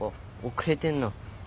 遅れてんな。